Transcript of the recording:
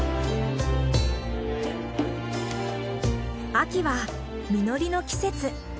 秋は実りの季節。